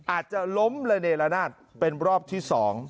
อาจจะล้มระเนละนาดเป็นรอบที่๒